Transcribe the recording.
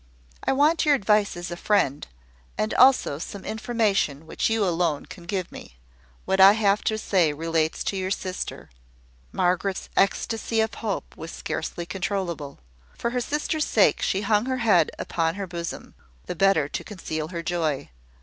"I want your advice as a friend, and also some information which you alone can give me. What I have to say relates to your sister." Margaret's ecstasy of hope was scarcely controllable. For her sister's sake she hung her head upon her bosom, the better to conceal her joy.